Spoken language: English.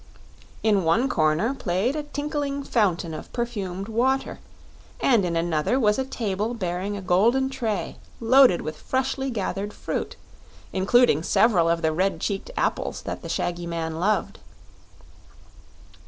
In one corner played a tinkling fountain of perfumed water, and in another was a table bearing a golden tray loaded with freshly gathered fruit, including several of the red cheeked apples that the shaggy man loved.